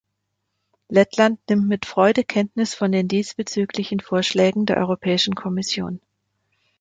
Lettland nimmt mit Freude Kenntnis von den diesbezüglichen Vorschlägen der Europäischen Kommission.